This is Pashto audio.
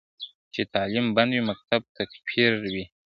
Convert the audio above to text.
چي تعلیم بند وي مکتب تکفیر وي ,